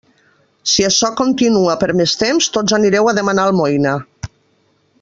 Si açò continua per més temps, tots anireu a demanar almoina.